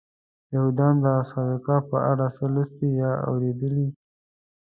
یهودیان د اصحاب کهف په اړه څه لوستي یا اورېدلي.